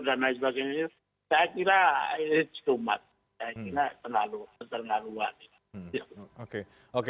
dan lain sebagainya saya kira